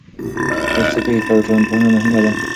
تاسو څه فکر کوئ، ټولنپوهنه مهمه ده؟